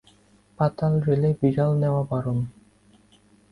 পাতাল রেলে বিড়াল নেওয়া বারণ।